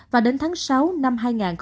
và đến tháng sáu năm hai nghìn hai mươi